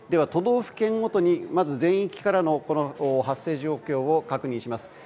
都道府県ごとにまず全域からの発生状況を確認します。